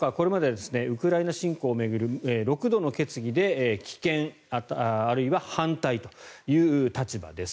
中国はこれまでウクライナ侵攻を巡る６度の決議で棄権あるいは反対という立場です。